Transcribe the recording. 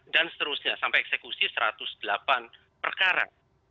dan seterusnya sampai eksekusi satu ratus delapan perkara